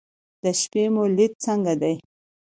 د شپې مو لید څنګه دی؟